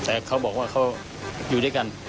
แต่เขาบอกว่าเขาอยู่ด้วยกัน